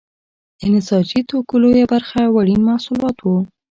د نساجي توکو لویه برخه وړین محصولات وو.